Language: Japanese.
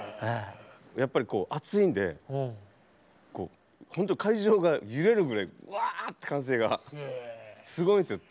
やっぱり熱いんでほんと会場が揺れるぐらいわって歓声がすごいんですよ。